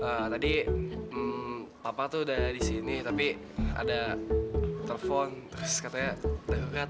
tante tadi papa tuh udah di sini tapi ada telepon terus katanya takut kan